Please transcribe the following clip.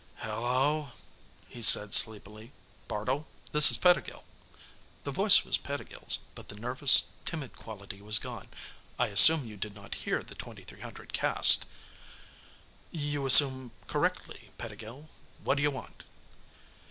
"Hello," he said sleepily. "Bartle? This is Pettigill." The voice was Pettigill's but the nervous, timid, quality was gone. "I assume you did not hear the 2300 'cast?" "You assume correctly, Pettigill. What d'you want?"